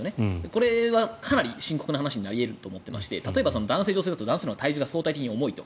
これはかなり深刻な話になり得ると思っていまして例えば男性女性だと男性のほうが相対的に重いと。